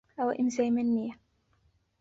ئەوە ئیمزای من نییە.